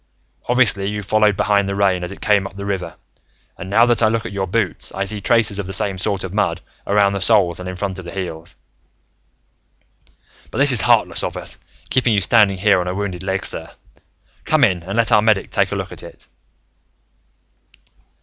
Obviously, you followed behind the rain as it came up the river. And now that I look at your boots, I see traces of the same sort of mud, around the soles and in front of the heels. "But this is heartless of us, keeping you standing here on a wounded leg, sir. Come in, and let our medic take a look at it."